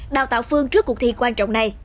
đào tạo phương trước cuộc thi quan trọng này